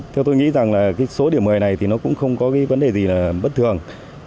theo tôi nghĩ rằng là cái số điểm một mươi này thì nó cũng không có cái vấn đề gì là bất thường